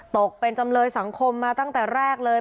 ตกเป็นจำเลยสังคมมาตั้งแต่แรกเลย